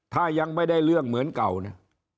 ถ้ายังไม่ได้เรื่องเหมือนเก่านะ